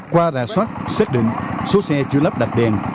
qua rà soát xác định số xe chưa lắp đặt đèn